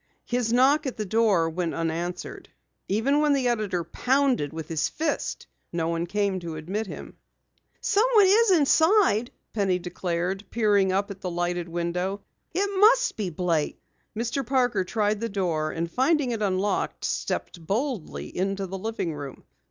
His knock at the door went unanswered. Even when the editor pounded with his fist, no one came to admit him. "Someone is inside," Penny declared, peering up at the lighted window. "It must be Blake." Mr. Parker tried the door and finding it unlocked, stepped boldly into the living room.